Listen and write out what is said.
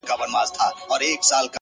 هغه مئین خپل هر ناهیلي پل ته رنگ ورکوي-